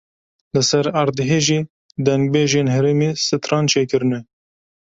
Li ser erdhejê dengbêjên herêmê stran çêkirine.